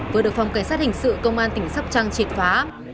vừa được phòng cảnh sát hình sự công an tỉnh sóc trăng triệt phá